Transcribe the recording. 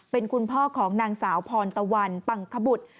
เป็นคุณพ่อของนางสาวพรตะวันปังขบุตร